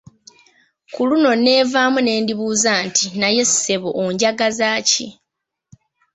Ku luno neevaamu ne ndibuuza nti naye ssebo onjagaza ki?